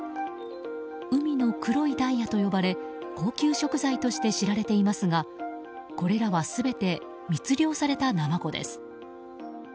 海の黒いダイヤと呼ばれ高級食材として知られていますがこれらは全て密猟されたナマコです。